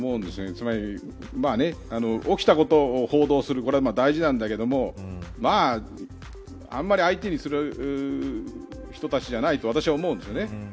つまり、起きたことを報道するのは大事だけどあんまり相手にする人たちじゃないと私は思うんです。